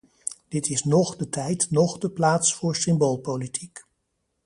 Dit is noch de tijd noch de plaats voor symboolpolitiek.